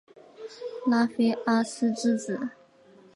拉菲阿斯之子。